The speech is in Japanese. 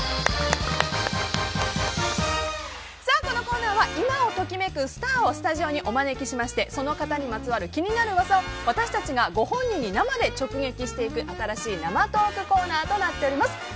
このコーナーは今を時めくスターをスタジオにお招きしましてその方にまつわる気になる噂を私たちがご本人に生で直撃していく新しい生トークコーナーとなっております。